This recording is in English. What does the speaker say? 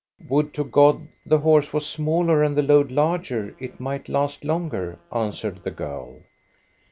"Would to God the horse was smaller and the load larger; it might last longer," answered the girl.